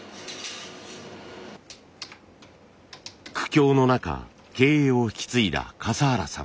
苦境の中経営を引き継いだ笠原さん。